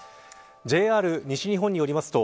ＪＲ西日本によりますと